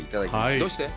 どうして？